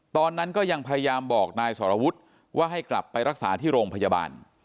ตอนนั้นก็ยังพยายามบอกนายสรวุฒิว่าให้กลับไปรักษาที่โรงพยาบาล